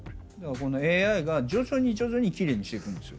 ＡＩが徐々に徐々にきれいにしていくんですよ。